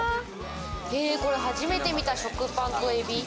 これ初めて見た、食パンとエビ。